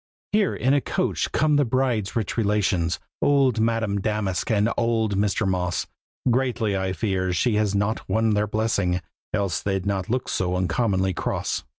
Here in a coach come the bride's rich relations, Old Madame Damask and old Mr. Moss; Greatly I fear she has not won their blessing, Else they'd not look so uncommonly cross.